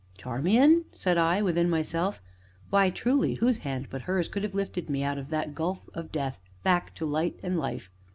"Charmian?" said I, within myself; "why, truly, whose hand but hers could have lifted me out of that gulf of death, back to light and life?"